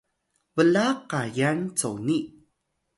blaq kayal coni